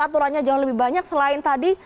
aturan nya jauh lebih banyak selain tadi